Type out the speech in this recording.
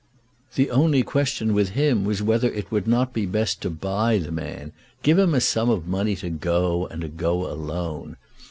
The only question with him was whether it would not be best to buy the man, give him a sum of money to go, and to go alone.